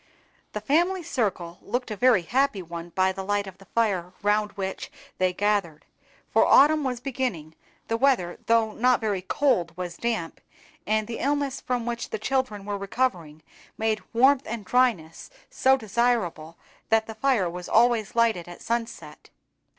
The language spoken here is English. The family circle looked a very happy one by the light of the fire round which they gathered; for autumn was beginning, the weather, though not very cold, was damp; and the illness from which the children were recovering made warmth and dryness so desirable, that the fire was always lighted at sunset.